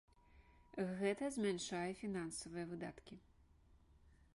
Гэта змяншае фінансавыя выдаткі.